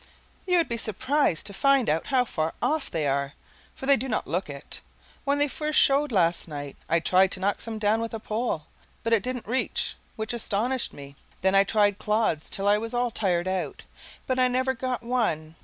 You would be surprised to find how far off they are, for they do not look it. When they first showed, last night, I tried to knock some down with a pole, but it didn't reach, which astonished me; then I tried clods till I was all tired out, but I never got one.